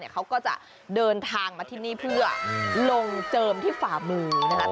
เขาก็จะเดินทางมาที่นี่เพื่อลงเจิมที่ฝ่ามือนะครับ